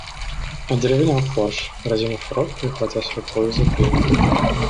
Одеревенел Корж, разинув рот и ухватясь рукою за двери.